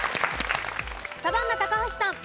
サバンナ高橋さん。